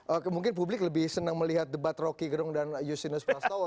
oke mungkin publik lebih senang melihat debat rocky gerung dan justinus prastowo